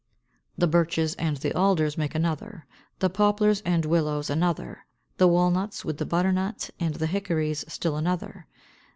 The Birches and the Alders make another; the Poplars and Willows, another; the Walnuts (with the Butternut) and the Hickories, still another.